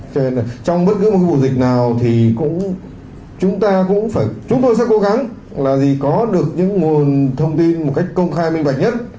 cho nên là trong bất cứ một cái vụ dịch nào thì chúng tôi sẽ cố gắng là có được những nguồn thông tin một cách công khai minh vạch nhất